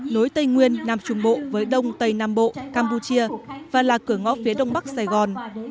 nối tây nguyên nam trung bộ với đông tây nam bộ campuchia và là cửa ngõ phía đông bắc sài gòn